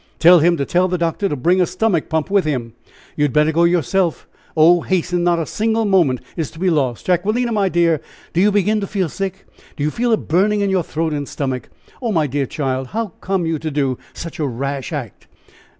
Tell him to tell the doctor to bring a stomach pump with him. You had better go yourself. Oh, hasten; not a single moment is to be lost. Jacquelina, my dear, do you begin to feel sick? Do you feel a burning in your throat and stomach? Oh, my dear child! how came you to do such a rash act?"